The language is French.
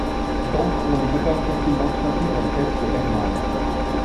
Donc on ne peut pas facilement tromper un test de Herman